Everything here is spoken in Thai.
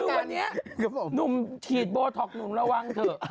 คือวันนี้หนุ่มฉีดโบท็อกหนุ่มระวังเถอะ